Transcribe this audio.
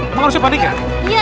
emang harusnya panik ya